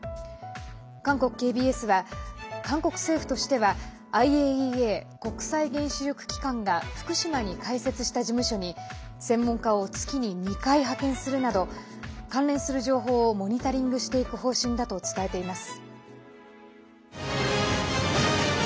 韓国ＫＢＳは、韓国政府としてはＩＡＥＡ＝国際原子力機関が福島に開設した事務所に専門家を月に２回派遣するなど関連する情報をモニタリングしていく方針だと伝えています。